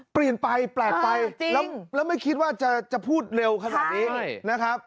เปลี่ยนไปแปลกไปแล้วไม่คิดว่าจะพูดเร็วขนาดนี้นะครับ